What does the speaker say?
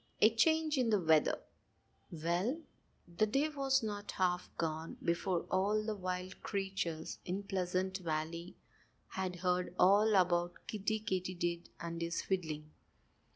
XI A CHANGE IN THE WEATHER Well, the day was not half gone before all the wild creatures in Pleasant Valley had heard all about Kiddie Katydid and his fiddling.